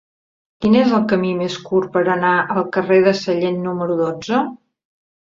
Quin és el camí més curt per anar al carrer de Sallent número dotze?